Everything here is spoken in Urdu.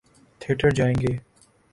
تھیٹر جائیں گے۔